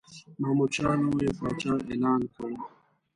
محمودشاه نوی پاچا اعلان کړ.